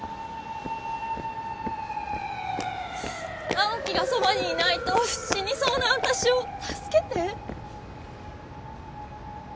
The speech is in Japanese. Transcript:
直季がそばにいないと死にそうなわたしを助けて！